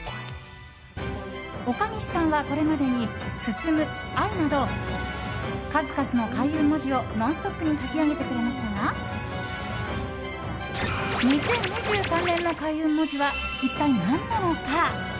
岡西さんはこれまでに「進」、「愛」など数々の開運文字を「ノンストップ！」に書き上げてくれましたが２０２３年の開運文字は一体何なのか？